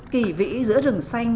kỳ vĩ giữa rừng xanh